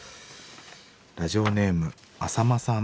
ラジオネームアサマさん。